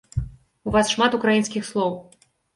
У вас шмат украінскіх слоў.